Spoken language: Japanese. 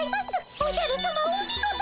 おじゃるさまおみごと。